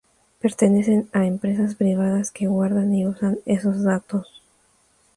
pertenecen a empresas privadas que guardan y usan esos datos